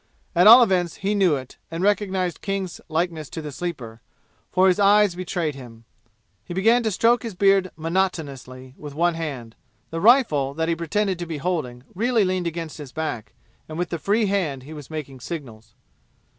At all events he knew it and recognized King's likeness to the Sleeper, for his eyes betrayed him. He began to stroke his beard monotonously with one hand. The rifle, that he pretended to be holding, really leaned against his back and with the free hand he was making signals.